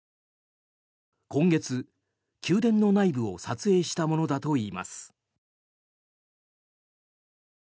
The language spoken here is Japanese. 今月、宮殿の内部を撮影したものだといいます。